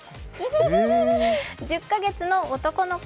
１０か月の男の子。